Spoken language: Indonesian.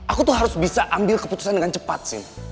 aku tuh harus bisa ambil keputusan dengan cepat sih